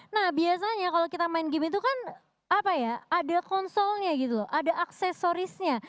nah biasanya kalau kita main game itu kan apa ya ada konsolnya gitu ada aksesorisnya